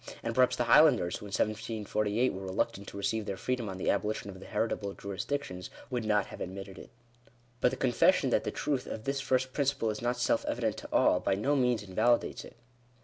And perhaps the Highlanders, who in 1748 were reluctant to receive their freedom on the abolition of the heritable jurisdictions, would not have admitted it. But the confession that the truth of this first principle is not self evident to all, by no means invalidates it.